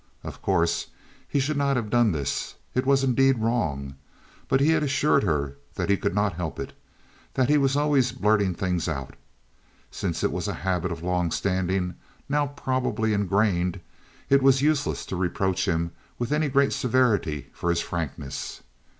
Of course, he should not have done this. It was, indeed, wrong. But he had assured her that he could not help it, that he was always blurting things out. Since it was a habit of long standing, now probably ingrained, it was useless to reproach him with any great severity for his frankness.